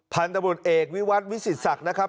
พันธบทเอกวิวัตรวิสิตศักดิ์นะครับ